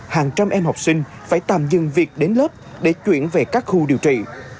hàng trăm em học sinh phải tạm dừng việc đến lớp để chuyển về các khu điều trị